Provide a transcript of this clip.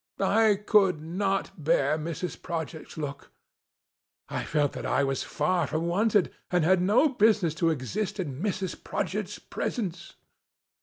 I could not bear Mrs. Prodgit's look. I felt that I was far from wanted, and had no business to exist in Mrs. Prodgit's presence.